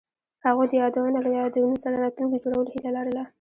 هغوی د یادونه له یادونو سره راتلونکی جوړولو هیله لرله.